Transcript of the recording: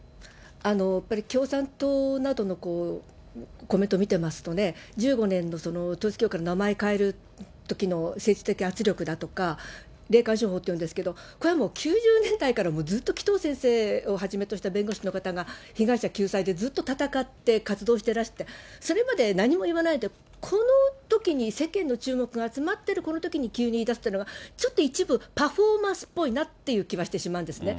やっぱり共産党などのコメントを見てますと、１５年の統一教会の名前変えるときの政治的圧力だとか、霊感商法って言うんですけど、これはもう９０年代からずっと紀藤先生をはじめとした弁護士の方が、被害者救済でずっと戦って、活動してらして、それまで何も言わないで、このときに、世間の注目が集まってるこのときに急に言い出すというのは、ちょっと一部パフォーマンスっぽいなって気はしてしまうんですね。